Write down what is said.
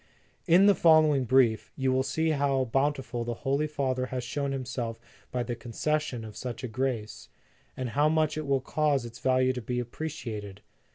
"In the following Brief, you will see how bountiful the Holy Father has shown himself by the concession of such a grace, and how much it will cause its value to be appreciated.